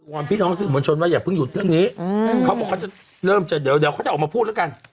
อนพี่น้องสื่อมวลชนว่าอย่าเพิ่งหยุดเรื่องนี้เขาบอกเขาจะเริ่มจะเดี๋ยวเดี๋ยวเขาจะออกมาพูดแล้วกัน